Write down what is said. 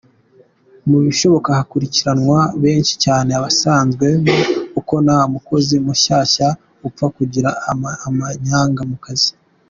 mu bishoboka hakurikiranwa benshi cyane abasanzwemo Kuko, ntamukozi mushyashya upfa kugira amanyanga mukazi .